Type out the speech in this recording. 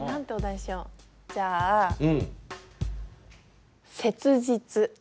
じゃあ「切実」。